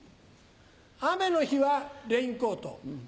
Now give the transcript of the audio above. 雨の日はレインコート。